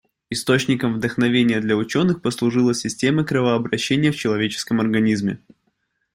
Источником вдохновения для учёных послужила система кровообращения в человеческом организме.